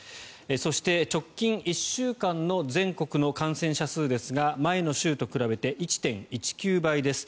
そして、直近１週間の全国の感染者数ですが前の週と比べて１．１９倍です。